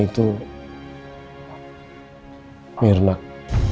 dan seorang perempuan itu